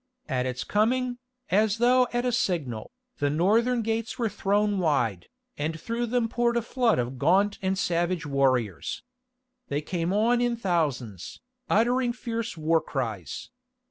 At its coming, as though at a signal, the northern gates were thrown wide, and through them poured a flood of gaunt and savage warriors. They came on in thousands, uttering fierce war cries.